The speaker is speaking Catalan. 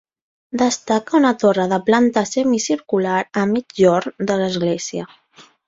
Destaca una torre de planta semicircular a migjorn de l'església.